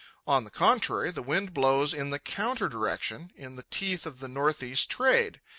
On the contrary, the wind blows in the counter direction, in the teeth of the north east trade.